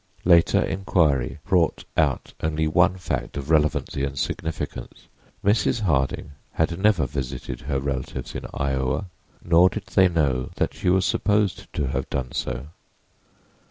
Later inquiry brought out only one fact of relevancy and significance: Mrs. Harding had never visited her relatives in Iowa, nor did they know that she was supposed to have done so.